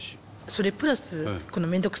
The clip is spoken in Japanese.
それプラスこの面倒くさい